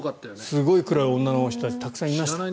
すごい黒い女の人たちたくさんいました。